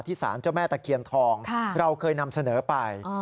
สารเจ้าแม่ตะเคียนทองเราเคยนำเสนอไป